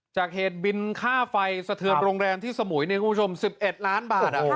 จากเหตุบินค่าไฟสะเทิดโรงแรมที่สมุย๑๑ล้านบาท